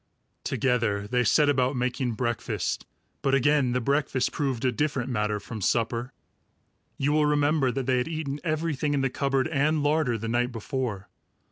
Together they set about making breakfast; but again the breakfast proved a different matter from supper. You will remember that they had eaten everything in the cupboard and larder the night before.